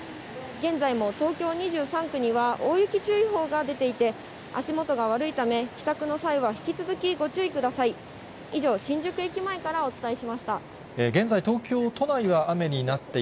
現在も東京２３区には大雪注意報が出ていて、足元が悪いため、帰宅の際は引き続きご注意ください。